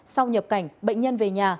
sau nhập cảnh bệnh nhân về nhà